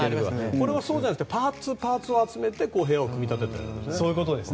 これはそうじゃなくてパーツを集めて部屋を組み立ててるんですね。